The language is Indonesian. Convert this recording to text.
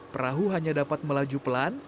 perahu hanya dapat melaju pelan